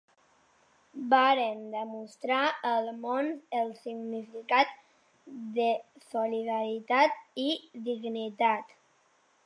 Vàrem demostrar al món el significat de solidaritat i dignitat.